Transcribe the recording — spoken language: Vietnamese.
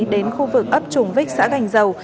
đến khu vực ấp trùng vích xã gành dầu